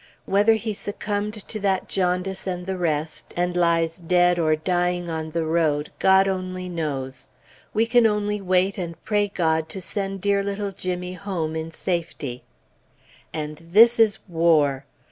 Whether he succumbed to that jaundice and the rest, and lies dead or dying on the road, God only knows. We can only wait and pray God to send dear little Jimmy home in safety. And this is WAR!